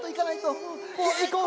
いこう。